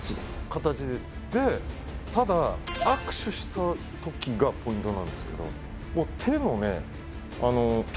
形でただ握手したときがポイントなんですけど手のね